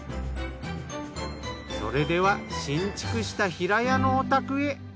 それでは新築した平屋のお宅へ。